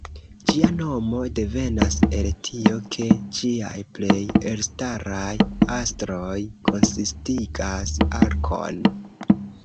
Ĝia nomo devenas el tio, ke ĝiaj plej elstaraj astroj konsistigas arkon.